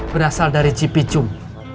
berasal dari cipicung